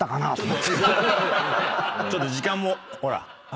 ちょっと時間もほらっ。